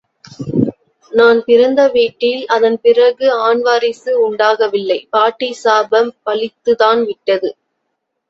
நான் பிறந்த வீட்டில் அதன் பிறகு ஆண் வாரிசு உண்டாகவில்லை, பாட்டி சாபம் பலித்துத்தான் விட்டது.